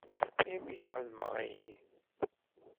Melmi i k-xedmeɣ ayenni?